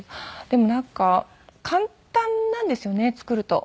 でもなんか簡単なんですよね作ると。